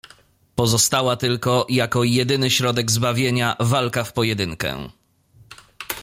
"Pozostała tylko, jako jedyny środek zbawienia, walka w pojedynkę."